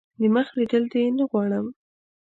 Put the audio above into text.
دمخ لیدل دي نه غواړم .